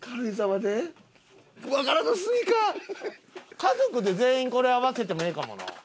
家族で全員これ合わせてもええかもな。